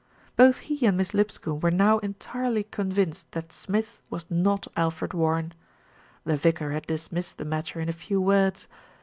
Both he and Miss Lipscombe were now entirely con 224. THE RETURN OF ALFRED vinced that Smith was not Alfred Warren. The vicar had dismissed the matter in a few words.